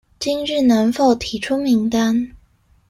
今日能否提出名單？